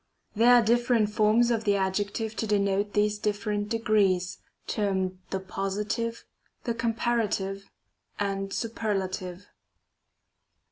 2. There are different forms of the adjective to denote these different degrees, termed the positive, the comparative, and superiative.